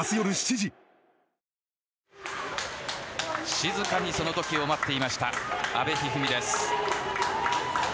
静かにその時を待っていました阿部一二三です。